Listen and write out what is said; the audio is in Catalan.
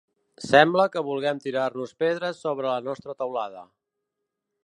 Sembla que vulguem tirar-nos pedres sobre la nostra teulada.